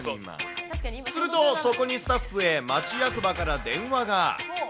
すると、そこにスタッフへ町役場から電話が。